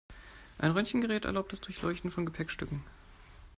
Ein Röntgengerät erlaubt das Durchleuchten von Gepäckstücken.